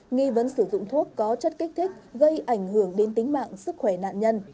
nghi vấn sử dụng thuốc có chất kích thích gây ảnh hưởng đến tính mạng sức khỏe nạn nhân